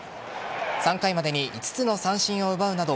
３回までに５つの三振を奪うなど